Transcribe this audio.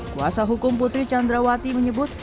kuasa hukum putri candrawati menyebut